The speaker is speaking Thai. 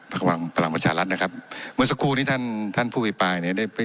ภาควังประหลังประชาลัทธ์นะครับเมื่อสักครู่นี้ท่านท่านผู้พิปรายเนี่ย